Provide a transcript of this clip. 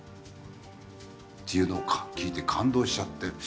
っていうのを聞いて感動しちゃって。